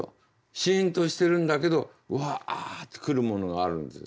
シーンとしてるんだけどうわって来るものがあるんです。